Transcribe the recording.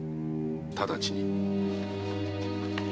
直ちに。